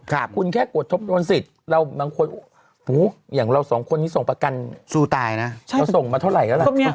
คุณแค่กดทบทวนสิทธิ์เราบางคนโอ้โหอย่างเราสองคนนี้ส่งประกันชูตายนะเราส่งมาเท่าไหร่แล้วล่ะ